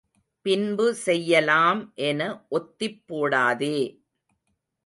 பின்பு செய்யலாம் என ஒத்திப் போடாதே!